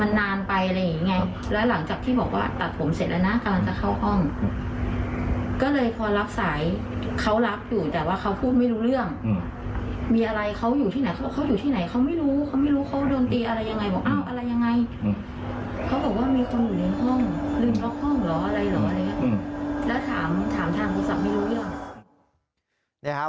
อะไรแล้วถามทางโทรศัพท์ไม่รู้หรือ